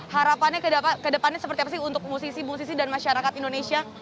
harapannya ke depannya seperti apa sih untuk musisi musisi dan masyarakat indonesia